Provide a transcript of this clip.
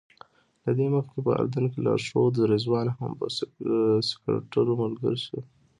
له دې مخکې په اردن کې لارښود رضوان هم په سګرټو ملګری شو.